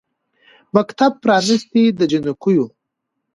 مکتب پرانیستی د جینکیو